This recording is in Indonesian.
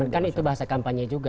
kan itu bahasa kampanye juga